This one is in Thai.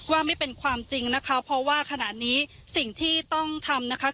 ว่าไม่เป็นความจริงนะคะเพราะว่าขณะนี้สิ่งที่ต้องทำนะคะ